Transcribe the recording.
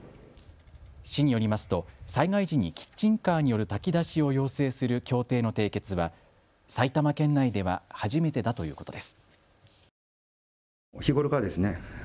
市によりますと災害時にキッチンカーによる炊き出しを要請する協定の締結は埼玉県内では初めてだということです。